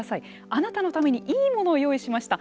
あなたのためにいいものを用意しました！」。